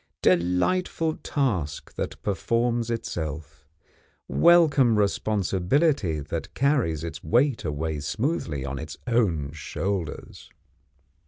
Delightful task that performs itself! Welcome responsibility that carries its weight away smoothly on its own shoulders!